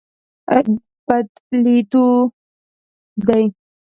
بدلېدو دی.